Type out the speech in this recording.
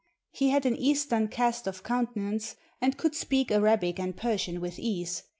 He had an Eastern cast of countenance, and could speak Arabic and Persian with ease.